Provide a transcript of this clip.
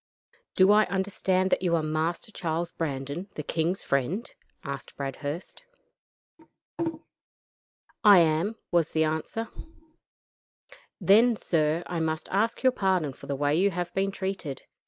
"Do I understand that you are Master Charles Brandon, the king's friend?" asked Bradhurst. "I am," was the answer. "Then, sir, I must ask your pardon for the way you have been treated.